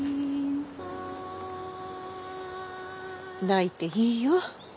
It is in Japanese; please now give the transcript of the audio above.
泣いていいよ。